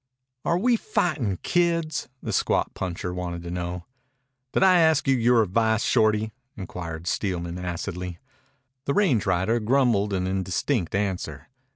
"Are we fightin' kids?" the squat puncher wanted to know. "Did I ask your advice, Shorty?" inquired Steelman acidly. The range rider grumbled an indistinct answer.